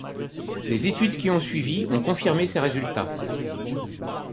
Les études qui ont suivi ont confirmé ces résultats.